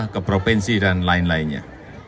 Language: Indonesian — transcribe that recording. ke provinsi dan lain lainnya